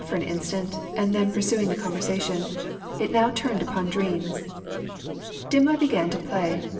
289 for an instant, and then pursuing the conrersation. It now turned upon dreams. Dimmler began to play.